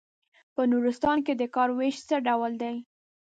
په نورستان کې د کار وېش څه ډول دی.